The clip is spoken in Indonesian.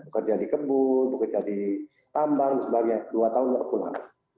kerja di kebut kerja di tambang dua tahun pulang